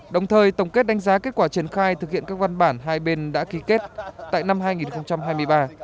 đồng thời tổng kết đánh giá kết quả triển khai thực hiện các văn bản hai bên đã ký kết tại năm hai nghìn hai mươi ba